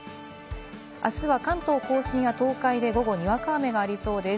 明日は関東甲信や東海で午後にわか雨がありそうです。